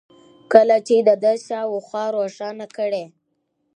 كله چي د ده شا و خوا روښانه كړي